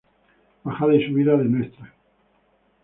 Bajada y Subida de Ntra.